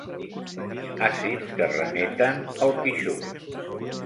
Àcids que remeten al pixum.